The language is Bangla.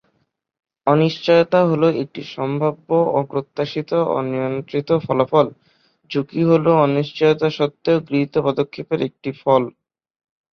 অনিশ্চয়তা হলো একটি সম্ভাব্য অপ্রত্যাশিত, এবং অনিয়ন্ত্রিত ফলাফল; ঝুঁকি হলো অনিশ্চয়তা সত্ত্বেও গৃহীত পদক্ষেপের একটি ফল।